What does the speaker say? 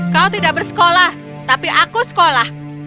kau tidak bersekolah tapi aku sekolah